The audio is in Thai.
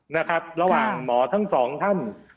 นะครับระหว่างหมอทั้งสองท่าน